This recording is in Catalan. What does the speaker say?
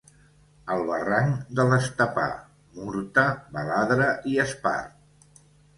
El barranc de l'Estepar: murta, baladre i espart.